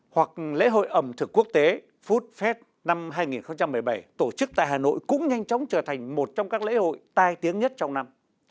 hoặc lễ hội ẩm thực quốc tế food fest năm hai nghìn một mươi bảy tổ chức tại hà nội cũng nhanh chóng trở thành một trong các lễ hội tai tiếng nhất trong năm